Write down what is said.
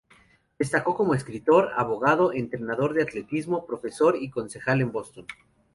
Destacó como escritor, abogado, entrenador de atletismo, profesor y concejal en Boston.